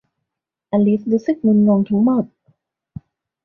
อลิซรู้สึกงุนงงทั้งหมด